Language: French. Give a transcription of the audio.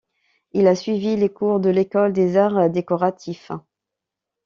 Il a suivi les cours de l'École des Arts décoratifs.